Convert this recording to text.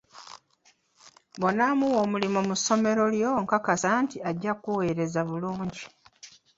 Bw'onamuwa omulimu mu ssomero lyo, nkakasa nti ajja kuweereza bulungi.